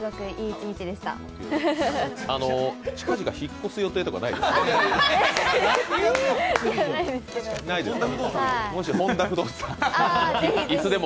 近々引っ越す予定とかないですか？